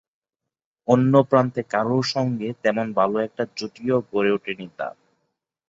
অন্য প্রান্তে কারও সঙ্গে তেমন ভালো একটা জুটিও গড়ে ওঠেনি তাঁর।